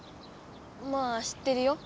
まあ知ってるよ。